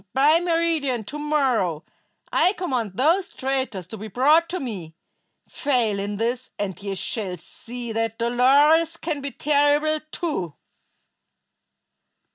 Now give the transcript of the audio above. By meridian to morrow I command those traitors to be brought to me. Fail in this, and ye shall see that Dolores can be terrible, too."